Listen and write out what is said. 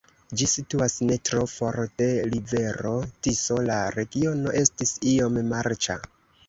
Ĝi situas ne tro for de rivero Tiso, la regiono estis iom marĉa.